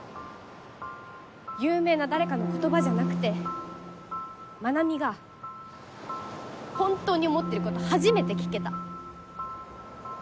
有名な誰かの言葉じゃなくて愛未が本当に思ってること初めて聞けた。